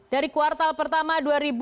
dari kuartal pertama dua ribu tujuh belas